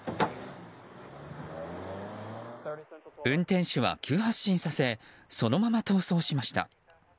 運転手は急発進させそのまま逃走しました。